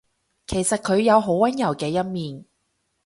其實佢有好溫柔嘅一面